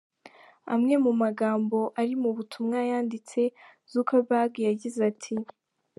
Amwe mu magambo ari mu butumwa yanditse, Zuckerberg yagize ati:.